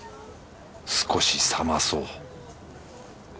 少し冷まそう